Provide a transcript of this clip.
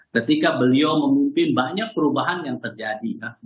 ketika beliau memimpin banyak perubahan yang terjadi